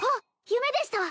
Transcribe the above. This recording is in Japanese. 夢でした